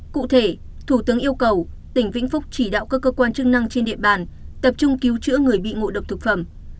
cụ thể thủ tướng yêu cầu tỉnh vĩnh phúc chỉ đạo các cơ quan chức năng trên địa bàn tập trung cứu chữa người bị ngộ độc thực phẩm